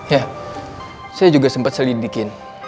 ya saya juga sempat selidikin